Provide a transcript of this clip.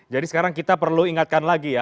jadi sekarang kita perlu ingatkan lagi ya